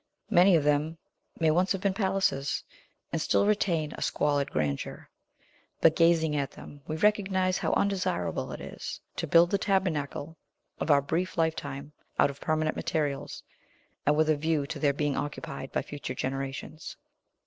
Many of them may once have been palaces, and still retain a squalid grandeur. But, gazing at them, we recognize how undesirable it is to build the tabernacle of our brief lifetime out of permanent materials, and with a view to their being occupied by future 'generations.